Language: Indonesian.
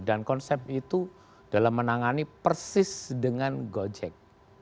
dan konsep itu dalam menangani persis dengan gojek